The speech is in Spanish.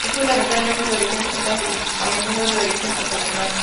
Es fundamentalmente de origen estatal y a menudo de origen profesional.